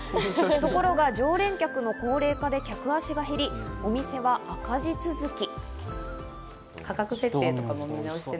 ところが、常連客の高齢化で客足が減り、お店は赤字続き。